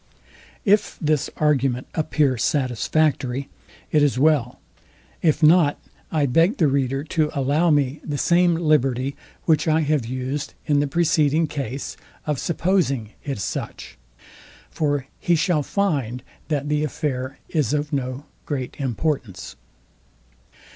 If this argument appear satisfactory, it is well. If not, I beg the reader to allow me the same liberty, which I have used in the preceding case, of supposing it such. For he shall find, that the affair is of no great importance.